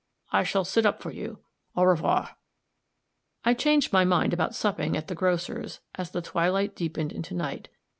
I shall sit up for you. Au revoir." I changed my mind about supping at the grocer's as the twilight deepened into night.